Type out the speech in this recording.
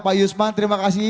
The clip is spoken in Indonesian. pak yusman terima kasih